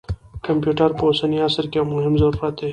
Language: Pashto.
کمپیوټر په اوسني عصر کې یو مهم ضرورت دی.